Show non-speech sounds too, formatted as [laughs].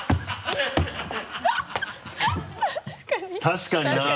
確かに [laughs]